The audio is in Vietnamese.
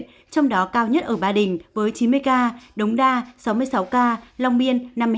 trong đó cao nhất ở ba đình với chín mươi ca đống đa sáu mươi sáu ca long biên năm mươi tám